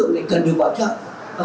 nó cả mỹ cũng như vậy các nước